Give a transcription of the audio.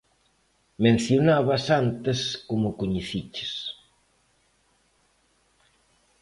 Mencionabas antes como o coñeciches.